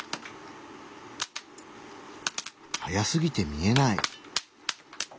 速すぎて見えない。